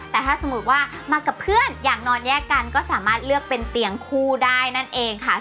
แต่ถ้าสมมุติว่ามากับเพื่อนอยากนอนแยกกันก็สามารถเลือกเป็นเตียงคู่ได้นั่นเองค่ะ